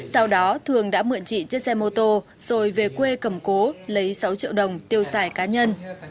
sau đó thường đã mượn chị chiếc xe mô tô rồi về quê cầm cố lấy sáu triệu đồng tiêu xài cá nhân